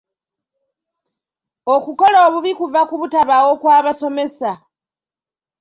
Okukola obubi kuva ku butabaawo kw'abasomesa.